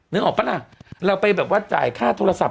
นึกออกปะล่ะเราไปแบบว่าจ่ายค่าโทรศัพ